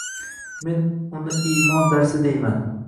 Men uni iymon darsi deyman.